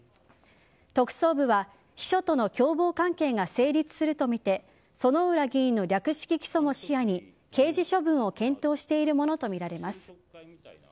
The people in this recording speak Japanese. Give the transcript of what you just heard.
特捜部は秘書との共謀関係が成立するとみて薗浦議員の略式起訴も視野に刑事処分を検討しているものとみられます。